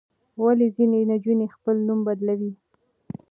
ولې ځینې نجونې خپل نوم بدلوي؟